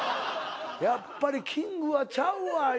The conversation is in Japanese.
「やっぱりキングはちゃうわ」